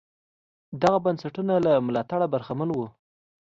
دغه بنسټونه له ملاتړه برخمن وو.